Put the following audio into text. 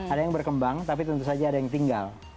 ada yang berkembang tapi tentu saja ada yang tinggal